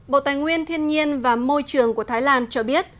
bộ tài nguyên thiên nhiên và môi trường của thái lan cho biết